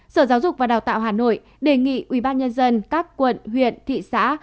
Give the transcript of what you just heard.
sở giáo dục và đào tạo hà nội đề nghị ubnd các quận huyện thị xã